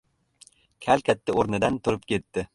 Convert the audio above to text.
Kal katta o‘rnidan turib ketdi.